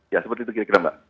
ya seperti itu kira kira mbak